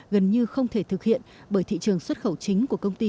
gần như không thể thực hiện bởi thị trường xuất khẩu chính của công ty